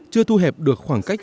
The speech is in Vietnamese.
chưa thu hẹp được khoảng cách